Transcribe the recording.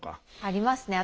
ありますね。